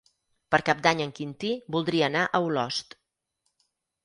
Per Cap d'Any en Quintí voldria anar a Olost.